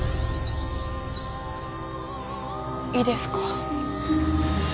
「い」ですか？